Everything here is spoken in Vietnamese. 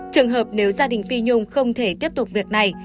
trường hợp nếu gia đình phi nhung không thể tiếp tục việc này